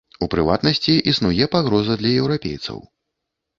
У прыватнасці, існуе пагроза для еўрапейцаў.